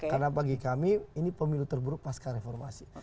karena bagi kami ini pemilu terburuk pasca reformasi